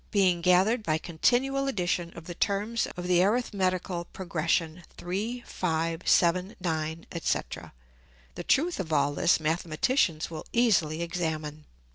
being gather'd by continual Addition of the Terms of the arithmetical Progression 3, 5, 7, 9, &c. The Truth of all this Mathematicians will easily examine.